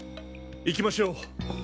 行きましょう。